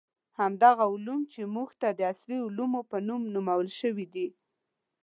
همدغه علوم چې موږ ته د عصري علومو په نوم نومول شوي دي.